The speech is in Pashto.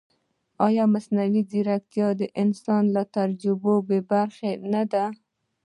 ایا مصنوعي ځیرکتیا د انسان له تجربې بېبرخې نه ده؟